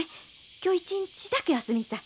今日一日だけ休みんさい。